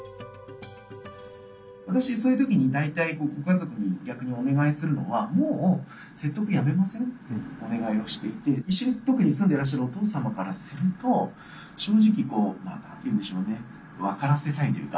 私そういう時に大体ご家族に逆にお願いするのは「もう説得やめません？」というお願いをしていて一緒に特に住んでらっしゃるお父様からすると正直何て言うんでしょうね分からせたいというか。